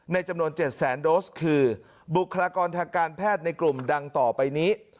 จำนวน๗แสนโดสคือบุคลากรทางการแพทย์ในกลุ่มดังต่อไปนี้